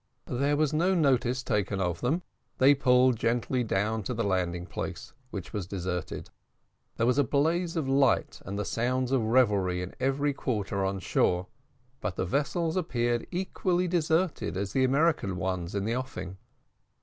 There was no notice taken of them; they pulled gently down to the landing place, which was deserted. There was a blaze of light, and the sounds of revelry in every quarter on shore; but the vessels appeared equally deserted as the American ones in the offing.